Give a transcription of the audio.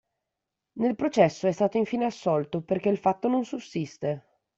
Nel processo è stato infine assolto "perché il fatto non sussiste".